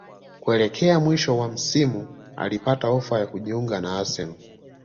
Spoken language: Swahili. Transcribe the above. kuelekea mwishoni mwa msimu alipata ofa ya kujiunga na Arsenal